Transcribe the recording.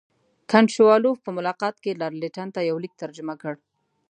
کنټ شووالوف په ملاقات کې لارډ لیټن ته یو لیک ترجمه کړ.